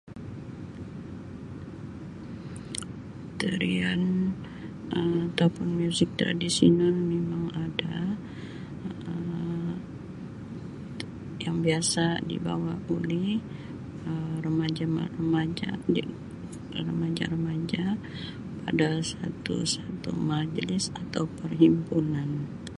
Tarian Um atau pun muzik tradisional mimang ada Um yang biasa dibawa oleh Um remaja me remaja remaja-remaja pada satu satu majlis atau perhimpunan.